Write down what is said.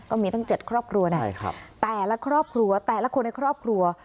ก็มีตั้ง๗ครอบครัวแต่ละครอบครัวแต่ละคนในครอบครัว